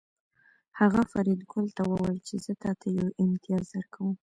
هغه فریدګل ته وویل چې زه تاته یو امتیاز درکوم